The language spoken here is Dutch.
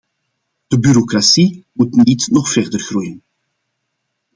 De bureaucratie moet niet nog verder groeien.